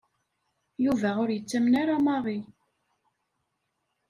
Yuba ur yettamen ara Mary.